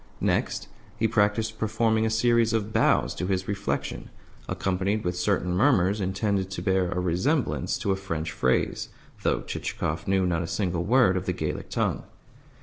Next, he practised performing a series of bows to his reflection, accompanied with certain murmurs intended to bear a resemblance to a French phrase (though Chichikov knew not a single word of the Gallic tongue).